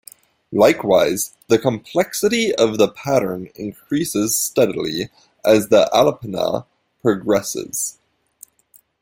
Likewise, the complexity of the patterns increases steadily as the alapana progresses.